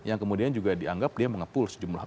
yang kemudian juga dianggap dia mengepul sejumlah